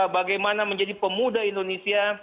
bagaimana menjadi pemuda indonesia